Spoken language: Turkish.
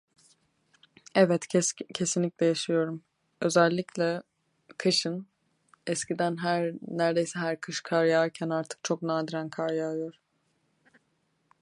Evet kesinlikle yaşıyorum. Özellikle kışın eskiden neredeyse her kış kar yağarken artık çok nadiren kar yağıyor